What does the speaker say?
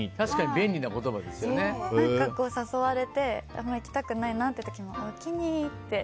何か誘われてあんまり行きたくない時にもおおきにって。